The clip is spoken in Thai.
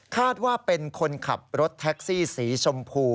คาดว่าเป็นคนขับรถแท็กซี่สีชมพู